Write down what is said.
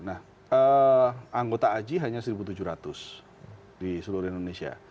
nah anggota aji hanya satu tujuh ratus di seluruh indonesia